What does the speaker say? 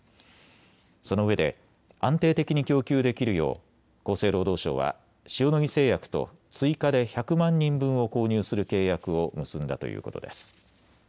そのうえで安定的に供給できるよう厚生労働省は塩野義製薬と追加で１００万人分を購入する契約を結んだということです。